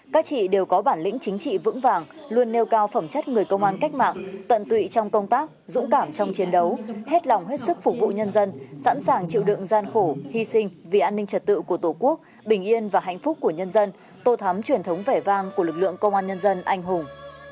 các chị đều có bản lĩnh chính trị vững vàng luôn nêu cao phẩm chất người công an cách mạng tận tụy trong công tác dũng cảm trong chiến đấu hết lòng hết sức phục vụ nhân dân sẵn sàng chịu đựng gian khổ hy sinh vì an ninh trật tự của tổ quốc bình yên và hạnh phúc của nhân dân tô thắm truyền thống vẻ vang của lực lượng công an nhân dân anh hùng